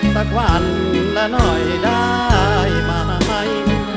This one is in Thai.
สักวันละหน่อยได้ไหม